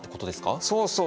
そうそう！